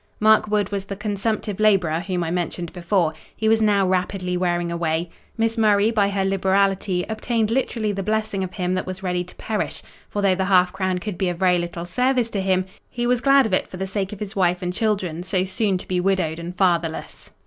Mark Wood was the consumptive labourer whom I mentioned before. He was now rapidly wearing away. Miss Murray, by her liberality, obtained literally the blessing of him that was ready to perish; for though the half crown could be of very little service to him, he was glad of it for the sake of his wife and children, so soon to be widowed and fatherless.